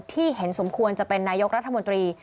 ที่เห็นสมควรจะเป็นนายกรัฐมนตรี